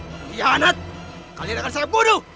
pengkhianat kalian akan saya bodoh